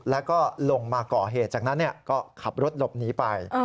แล้วก็ลงมาก่อเหตุจากนั้นก็ขับรถหลบหนีไป